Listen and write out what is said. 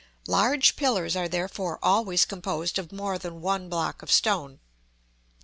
Large pillars are therefore always composed of more than one block of stone.